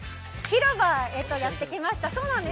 広場へとやってきました。